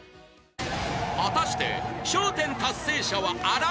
［果たして］